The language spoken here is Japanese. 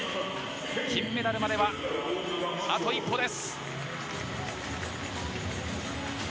金メダルまでは、あと一歩です。